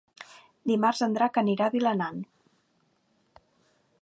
Dimarts en Drac anirà a Vilanant.